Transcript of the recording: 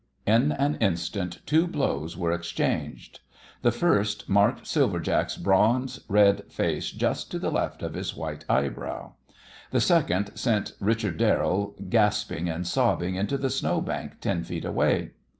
In an instant two blows were exchanged. The first marked Silver Jack's bronze red face just to the left of his white eyebrow. The second sent Richard Darrell gasping and sobbing into the snow bank ten feet away.